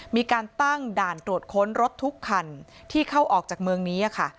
มีการตั้งด่านตรวจค้นรถทุกคันที่เข้าออกจากเมืองนี้ค่ะ